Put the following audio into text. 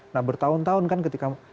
nah bertahun tahun kan ketika